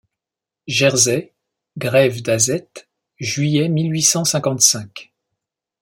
Jersey, grève d’Azette, juillet mille huit cent cinquante-cinq.